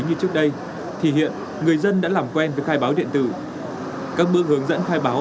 như trước đây thì hiện người dân đã làm quen với khai báo điện tử các bước hướng dẫn khai báo